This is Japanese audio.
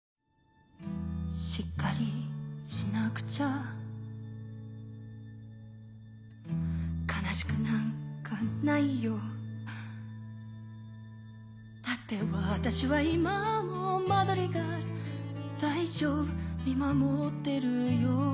しっかりしなくちゃ哀しくなんかないよだって私は今もマドリガル大丈夫見守ってるよ